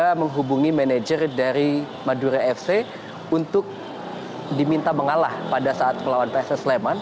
kita menghubungi manajer dari madura fc untuk diminta mengalah pada saat melawan pss leman